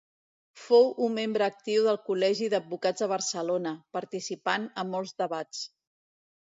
Fou un membre actiu del Col·legi d'Advocats de Barcelona, participant en molts debats.